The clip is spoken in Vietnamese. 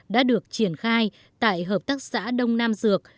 đã được triển khai tại hợp tác xã đông nam dược